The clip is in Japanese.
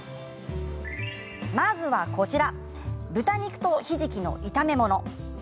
まずは、こちら豚肉とひじきの炒めもの。